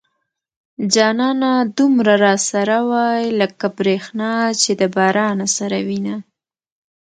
جانانه دومره را سره واي لکه بريښنا چې د بارانه سره وينه